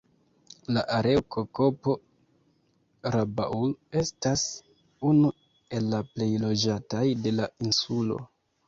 La areo Kokopo-Rabaul estas unu el la plej loĝataj de la insulo.